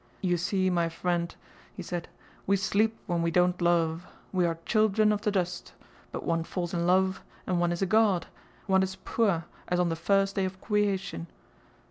"You see, my fwiend," he said, "we sleep when we don't love. We are childwen of the dust... but one falls in love and one is a God, one is pua' as on the fihst day of cweation...